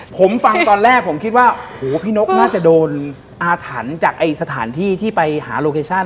ผมฟังตอนแรกผมคิดว่าโหพี่นกน่าจะโดนอาถรรพ์จากสถานที่ที่ไปหาโลเคชั่น